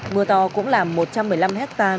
mưa to cũng làm một trăm một mươi năm hectare